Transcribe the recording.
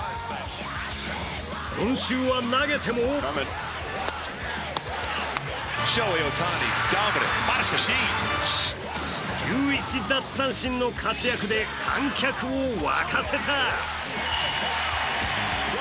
今週は投げても１１奪三振の活躍で観客を沸かせた。